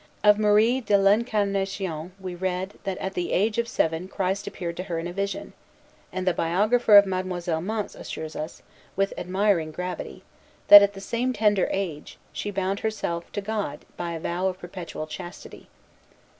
Of Marie de l'Incarnation we read, that at the age of seven Christ appeared to her in a vision; and the biographer of Mademoiselle Mance assures us, with admiring gravity, that, at the same tender age, she bound herself to God by a vow of perpetual chastity.